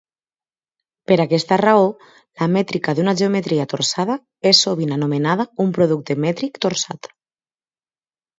Per aquesta raó, la mètrica d'una geometria torçada és sovint anomenada un producte mètric torçat.